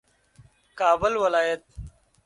کابل ولایت